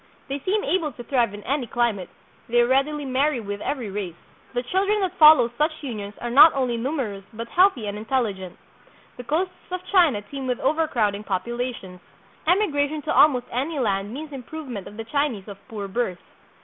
They seem able to thrive in any climate. They readily marry with every race. The 1 Morga: Sucesos, p. 324. THREE HUNDRED YEARS AGO. 181 children that follow such unions are not only numerous but healthy and intelligent. The coasts of China teem with overcrowding populations. Emigration to almost any land means improvement of the Chinese of poor birth.